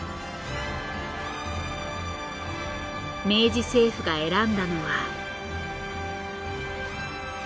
明治政府が選んだのは。